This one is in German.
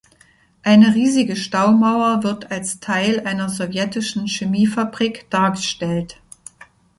Eine riesige Staumauer wird als Teil einer sowjetischen Chemiefabrik dargestellt.